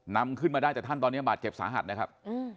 นำขึ้นมาได้แต่ท่านตอนนี้บาดเจ็บสาหัสนะครับ